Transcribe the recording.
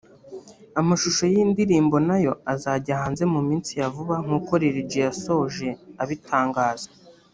Amashusho y’iyi ndirimbo nayo azajya hanze mu minsi ya vuba nkuko Lil G yasoje abitangaza